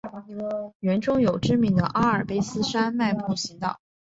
园中有知名的阿尔卑斯山脉步行道。